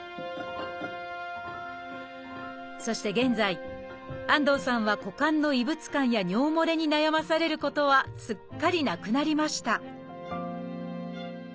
そして現在安藤さんは股間の異物感や尿もれに悩まされることはすっかりなくなりました！